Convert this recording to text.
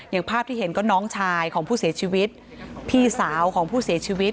อย่างภาพที่เห็นก็น้องชายของผู้เสียชีวิตพี่สาวของผู้เสียชีวิต